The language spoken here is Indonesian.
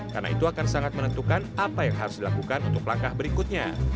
karena itu akan sangat menentukan apa yang harus dilakukan untuk langkah berikutnya